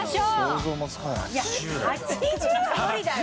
いや８０は無理だよ。